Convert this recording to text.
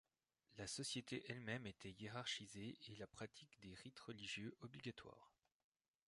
La société elle-même était hiérarchisée et la pratique des rites religieux obligatoire.